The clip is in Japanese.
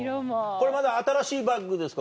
これまだ新しいバッグですか？